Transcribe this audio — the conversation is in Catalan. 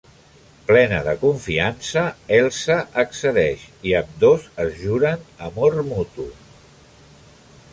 Plena de confiança, Elsa accedeix i ambdós es juren amor mutu.